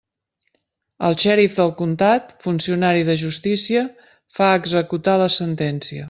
El xèrif del comtat, funcionari de justícia, fa executar la sentència.